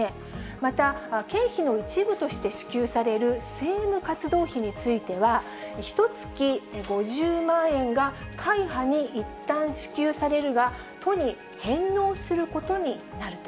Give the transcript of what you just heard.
また、経費の一部として支給される政務活動費については、ひとつき５０万円が会派にいったん支給されるが、都に返納することになると。